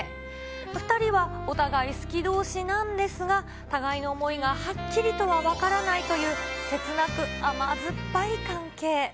２人はお互い好きどうしなんですが、互いの思いがはっきりとは分からないという、切なく甘酸っぱい関係。